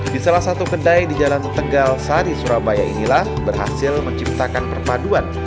di salah satu kedai di jalan tegal sari surabaya inilah berhasil menciptakan perpaduan